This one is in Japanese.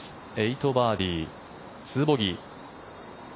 ８バーディー、２ボギー。